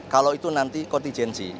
kalau itu nanti kontingensi